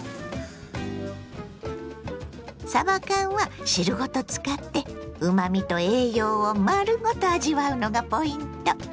さば缶は汁ごと使ってうまみと栄養を丸ごと味わうのがポイント。